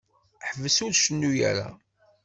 Ḥbes ur cennu ara.